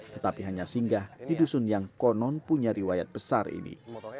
tetapi hanya singgah di dusun yang konon punya riwayat besar ini